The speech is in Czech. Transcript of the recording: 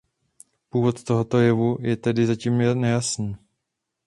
Původ tohoto jevu je tedy zatím nejasný.